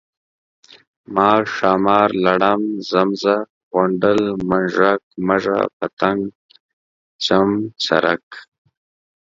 مار، ښامار ، لړم، زمزه، غونډل، منږک ، مږه، پتنګ ، چمچرک،